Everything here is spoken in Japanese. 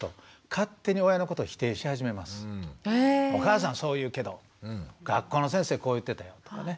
お母さんそう言うけど学校の先生こう言ってたよとかね。